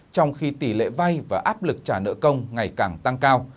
trong khi tỷ lệ vay và áp lực trả nợ công ngày càng tăng cao